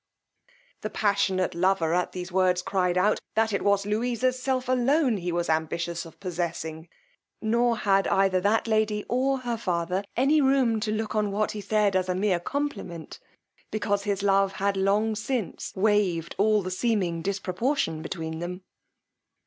The passionate lover at these words cried out, that it was Louisa's self alone he was ambitious of possessing; nor had either that lady or her father any room to look on what he said as a mere compliment, because his love had long since waved all the seeming disproportion between them.